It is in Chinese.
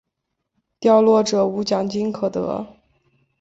掉落者无奖金可得。